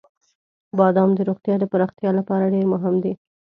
• بادام د روغتیا د پراختیا لپاره ډېر مهم دی.